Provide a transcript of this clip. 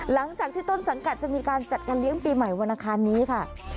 หลังจากที่ต้นสังกัดจะมีการจัดงานเลี้ยงปีใหม่วันอังคารนี้ค่ะ